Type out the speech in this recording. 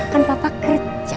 kan papa kerja